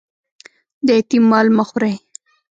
د یتيم مال مه خوري